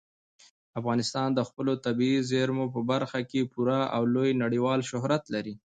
افغانستان د خپلو طبیعي زیرمو په برخه کې پوره او لوی نړیوال شهرت لري.